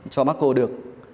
cho macro được